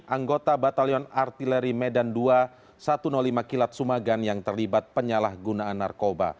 anggota batalion artileri medan dua ribu satu ratus lima kilat sumagan yang terlibat penyalahgunaan narkoba